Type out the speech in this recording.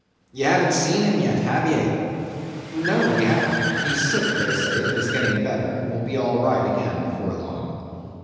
Ye hav'n't seen him yet, have ye?" "No, we hav'n't. He's sick they say, but is getting better, and will be all right again before long."